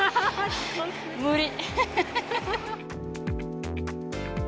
無理。